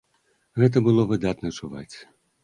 Гэта было выдатна чуваць.